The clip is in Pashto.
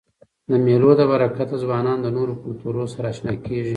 د مېلو له برکته ځوانان له نورو کلتورو سره اشنا کيږي.